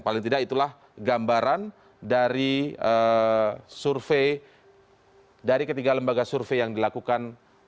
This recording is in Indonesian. paling tidak itulah gambaran dari survei dari ketiga lembaga survei yang dilakukan